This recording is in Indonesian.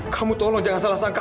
kamu tolong jangan salah sangka